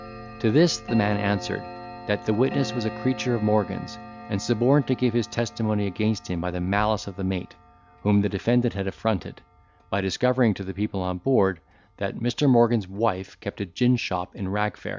To this the man answered, that the witness was a creature of Morgan's, and suborned to give his testimony against him by the malice of the mate, whom the defendant had affronted, by discovering to the people on board, that Mr. Morgan's wife kept a gin shop in Ragfair.